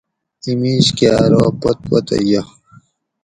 اِیں میش کہ ارو پت پتہ یہ